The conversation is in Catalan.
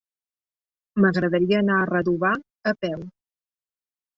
M'agradaria anar a Redovà a peu.